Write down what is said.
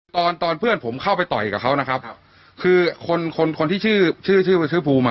ตอนตอนเพื่อนผมเข้าไปต่อยกับเขานะครับคือคนคนคนที่ชื่อชื่อชื่อว่าชื่อภูมิอ่ะ